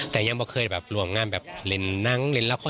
แต่ยังไม่เคยแบบหลวงงานแบบเล่นหนังเล่นละคร